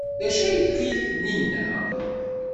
D acu ay tɣil Taninna?